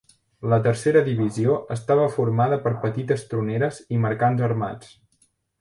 La tercera divisió estava formada per petites troneres i mercants armats.